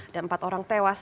dan empat orang tewas